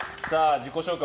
自己紹介